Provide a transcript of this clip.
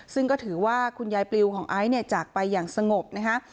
ซึ่งก็ถือว่าคุณยายปลิวของไอซ์เนี่ยจากไปอย่างสงบนะคะ